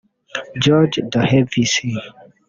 George de Hevesy